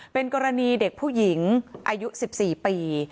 เป็นกรณีเด็กผู้หญิงอายุ๑๔ปี